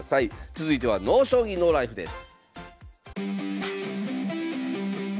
続いては「ＮＯ将棋ＮＯＬＩＦＥ」です。